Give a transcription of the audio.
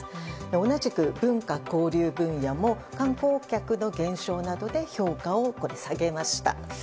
同じく文化・交流分野も観光客の減少などで評価を下げました。